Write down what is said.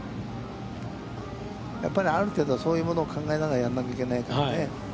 やっぱりある程度そういうものを考えながらやんなきゃいけないからね。